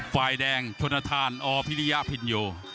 ฝ่ายแดงชนทานอพิริยพินโย